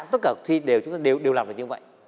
tất cả chúng ta đều làm được như vậy